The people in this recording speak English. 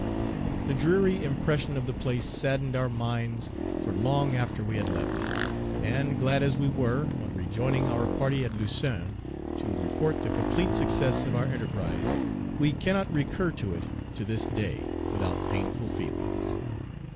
The dreary impression of the place saddened our minds for long after we had left it; and, glad as we were, on rejoining our party at Lausanne, to report the complete success of our enterprise, we cannot recur to it to this day, without painful feelings.